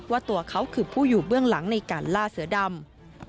ว่าตัวเขาคือผู้อยู่เบื้องหลังในการล่าเสือดำ